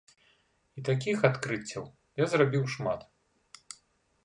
І такіх адкрыццяў я зрабіў шмат.